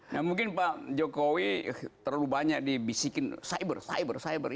ya mungkin pak jokowi terlalu banyak dibisikin cyber cyber cyber